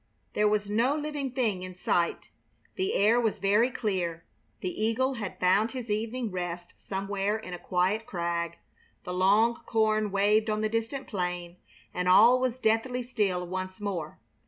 There was no living thing in sight. The air was very clear. The eagle had found his evening rest somewhere in a quiet crag. The long corn waved on the distant plain, and all was deathly still once more.